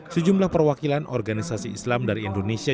sejumlah perwakilan organisasi islam dari indonesia